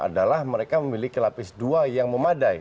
adalah mereka memiliki lapis dua yang memadai